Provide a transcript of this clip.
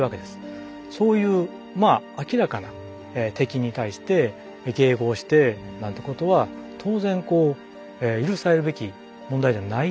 そういうまあ明らかな敵に対して迎合してなんてことは当然こう許されるべき問題じゃないのですよね。